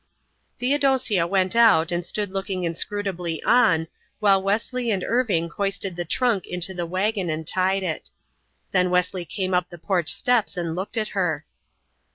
Theodosia went out and stood looking inscrutably on, while Wesley and Irving hoisted the trunk into the wagon and tied it. Then Wesley came up the porch steps and looked at her.